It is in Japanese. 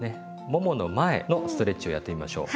ももの前のストレッチをやってみましょう。